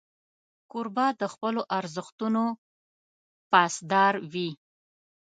کوربه د خپلو ارزښتونو پاسدار وي.